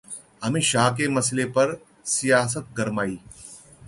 अमित शाह के मसले पर सियासत गरमाई